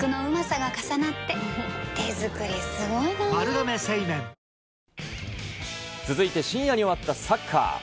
大決算フェア続いて深夜に終わったサッカー。